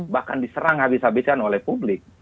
bahkan diserang habis habisan oleh publik